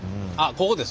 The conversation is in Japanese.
ここです。